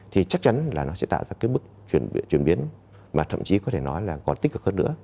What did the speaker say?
thì chắc chắn là nó sẽ tạo ra cái bước chuyển biến mà thậm chí có thể nói là còn tích cực hơn nữa